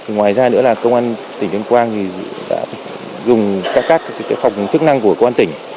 ngoài ra nữa là công an tỉnh tuyên quang đã dùng các phòng chức năng của công an tỉnh